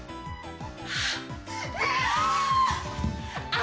あ。